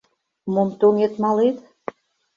- Мом тоҥед малет?